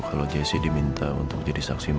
kalau jessica diminta untuk jadi saksi mama